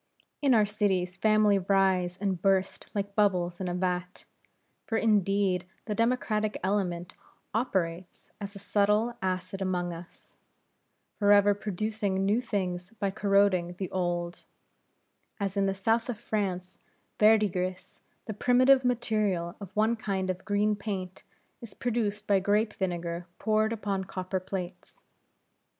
In our cities families rise and burst like bubbles in a vat. For indeed the democratic element operates as a subtile acid among us; forever producing new things by corroding the old; as in the south of France verdigris, the primitive material of one kind of green paint, is produced by grape vinegar poured upon copper plates.